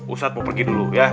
ustadz mau pergi dulu ya